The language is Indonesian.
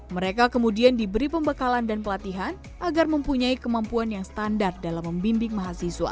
mereka kemudian diberi pembekalan dan pelatihan agar mempunyai kemampuan yang standar dalam membimbing mahasiswa